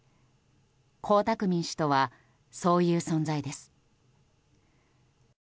江沢民氏とはそういう存在です。